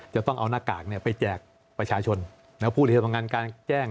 จะต้องเอาหน้ากากไปแจกประชาชนแล้วผู้ที่จะต้องการการแจ้ง